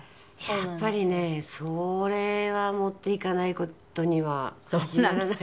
やっぱりねそれは持っていかない事には始まらない。